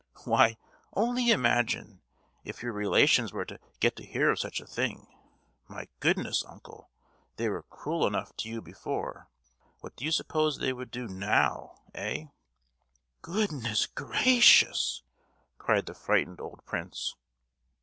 "Why, only imagine—if your relations were to get to hear of such a thing. My goodness, uncle! they were cruel enough to you before. What do you suppose they would do now, eh?" "Goodness gracious!" cried the frightened old prince.